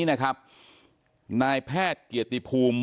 นายแพทย์เกียรติภูมิ